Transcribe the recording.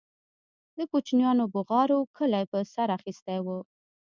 د كوچنيانو بوغارو كلى په سر اخيستى و.